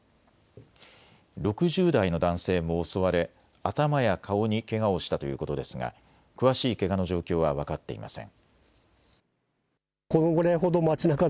６０代の男性も襲われ頭や顔にけがをしたということですが詳しいけがの状況は分かっていません。